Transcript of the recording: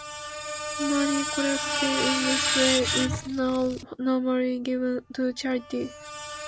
Money collected in this way is now normally given to charity.